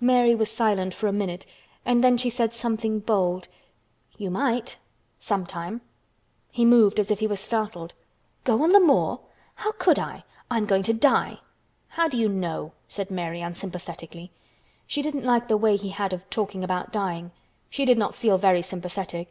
Mary was silent for a minute and then she said something bold. "You might—sometime." He moved as if he were startled. "Go on the moor! How could I? I am going to die." "How do you know?" said Mary unsympathetically. She didn't like the way he had of talking about dying. She did not feel very sympathetic.